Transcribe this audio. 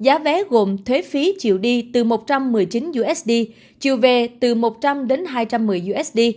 giá vé gồm thuế phí chiều đi từ một trăm một mươi chín usd chiều vé từ một trăm linh đến hai trăm một mươi usd